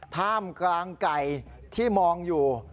ท่ามกลางไก่ที่มองอยู่